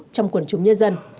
trong quần chủng nhân dân